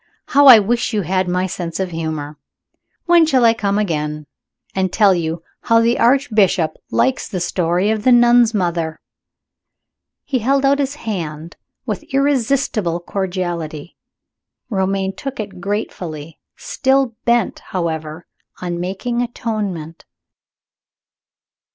How I wish you had my sense of humor! When shall I come again, and tell you how the Archbishop likes the story of the nun's mother?" He held out his hand with irresistible cordiality. Romayne took it gratefully still bent, however, on making atonement.